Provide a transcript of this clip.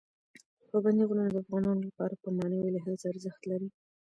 پابندي غرونه د افغانانو لپاره په معنوي لحاظ ارزښت لري.